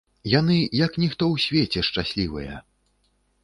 Яны, як ніхто ў свеце, шчаслівыя.